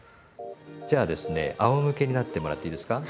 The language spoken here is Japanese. じゃあですねあおむけになってもらっていいですか。